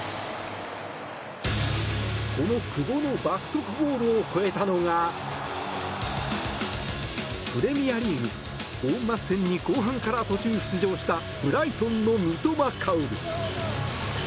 この久保の爆速ゴールを超えたのがプレミアリーグ、ボーンマス戦に後半から途中出場したブライトンの三笘薫。